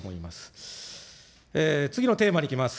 次のテーマにいきます。